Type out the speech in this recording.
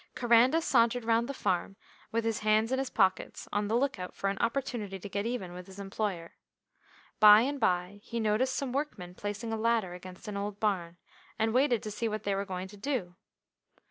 Coranda sauntered round the farm with his hands in his pockets on the look out for an opportunity to get even with his employer. By and by he noticed some workmen placing a ladder against an old barn, and waited to see what they were going to do.